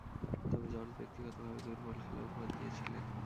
তবে, জর্জ ব্যক্তিগতভাবে দূর্বল খেলা উপহার দিয়েছিলেন।